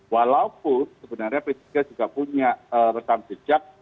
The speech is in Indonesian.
walaupun sebenarnya p tiga juga punya rekam jejak